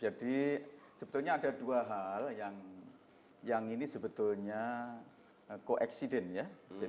jadi sebetulnya ada dua hal yang ini sebetulnya koeksiden ya